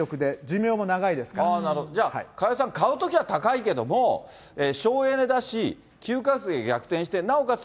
じゃあ、加谷さん、買うときは高いけども、省エネだし、９か月で逆転して、なおかつ